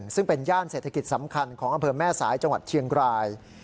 ซึ่งเป็นย่านเศรษฐกิจสำคัญของอำเภอแม่สายจังหวัดเชียงราย